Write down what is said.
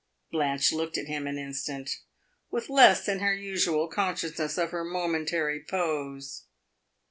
Blanche looked at him an instant, with less than her usual consciousness of her momentary pose.